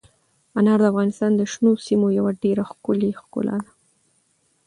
انار د افغانستان د شنو سیمو یوه ډېره ښکلې ښکلا ده.